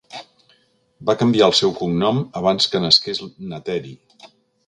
Va canviar el seu cognom abans que nasqués na Teri.